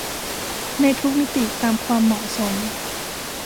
ในทุกมิติตามความเหมาะสม